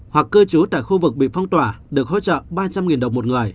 hoặc cư trú tại khu vực bị phong tỏa được hỗ trợ ba trăm linh đồng một người